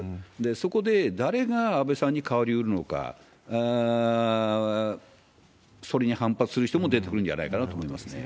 そこで、誰が安倍さんに代わりうるのか、それに反発する人も出てくるんじゃないかなと思いますね。